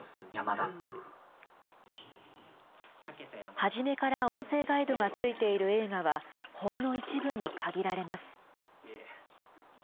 初めから音声ガイドがついている映画は、ほんの一部に限られます。